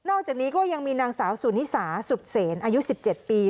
อกจากนี้ก็ยังมีนางสาวสุนิสาสุดเสนอายุ๑๗ปี